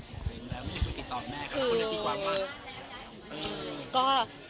ไม่ได้คุยติดต่อแม่กับคนที่ตีกว่ามาก